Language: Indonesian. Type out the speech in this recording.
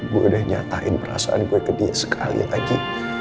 gue udah nyatain perasaan gue ke dia sekali lagi